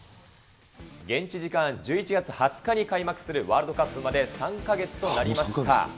現地時間１１月２０日に開幕するワールドカップまで３か月となりました。